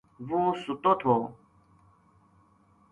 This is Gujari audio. وہ ستو تھو